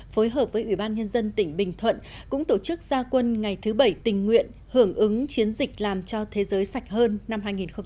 phối hợp với ủy ban nhân dân tỉnh bình thuận cũng tổ chức gia quân ngày thứ bảy tình nguyện hưởng ứng chiến dịch làm cho thế giới sạch hơn năm hai nghìn một mươi chín